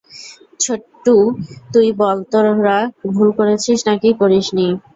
ছোটো্টু, তুই বল তোরা ভুল করেছিস নাকি করিসনি?